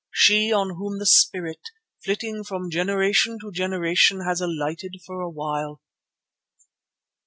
She on whom the spirit, flitting from generation to generation, has alighted for a while.